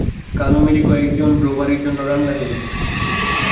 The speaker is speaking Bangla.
কালো ম্যারি কয়েকজন ড্রোভারের জন্য রান্না করে দিত।